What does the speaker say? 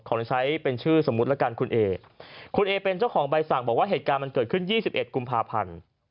ใช้เป็นชื่อสมมุติละกันคุณเอคุณเอเป็นเจ้าของใบสั่งบอกว่าเหตุการณ์มันเกิดขึ้น๒๑กุมภาพันธ์